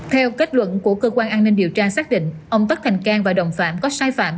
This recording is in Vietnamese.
theo kết luận của cơ quan an ninh điều tra xác định ông tất thành cang và đồng phạm có sai phạm